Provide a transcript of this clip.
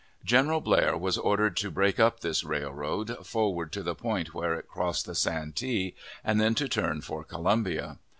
General Blair was ordered to break up this railroad, forward to the point where it crossed the Santee, and then to turn for Columbia.